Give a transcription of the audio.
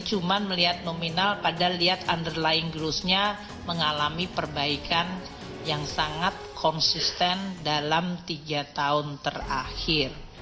cuma melihat nominal pada lihat underlying growth nya mengalami perbaikan yang sangat konsisten dalam tiga tahun terakhir